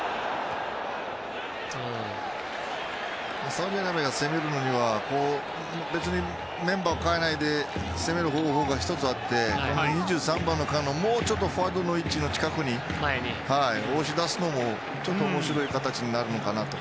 サウジアラビアが攻めるには別にメンバーを代えないで攻める方法が１つあって、２３番のカンノをもうちょっとフォワードの位置の近くに押し出すのも面白い形になるのかなと。